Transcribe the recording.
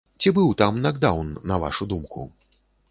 Ці быў там накдаўн, на вашу думку?